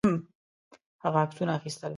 هغه عکسونه اخیستل.